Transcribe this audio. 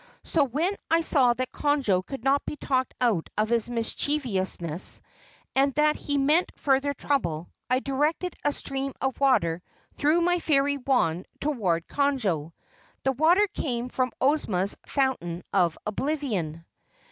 So, when I saw that Conjo could not be talked out of his mischievousness and that he meant further trouble, I directed a stream of water through my Fairy Wand toward Conjo. The water came from Ozma's Fountain of Oblivion."